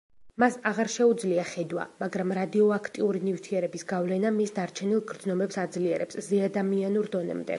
მას აღარ შეუძლია ხედვა, მაგრამ რადიოაქტიური ნივთიერების გავლენა მის დარჩენილ გრძნობებს აძლიერებს ზეადამიანურ დონემდე.